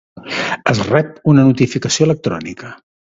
Es rep una notificació electrònica.